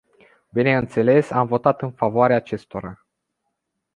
Bineînțeles, am votat în favoarea acestora.